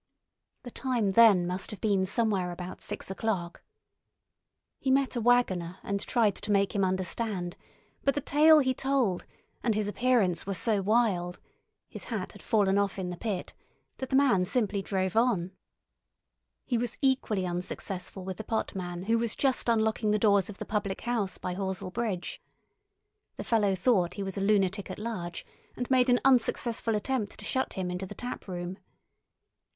The time then must have been somewhere about six o'clock. He met a waggoner and tried to make him understand, but the tale he told and his appearance were so wild—his hat had fallen off in the pit—that the man simply drove on. He was equally unsuccessful with the potman who was just unlocking the doors of the public house by Horsell Bridge. The fellow thought he was a lunatic at large and made an unsuccessful attempt to shut him into the taproom.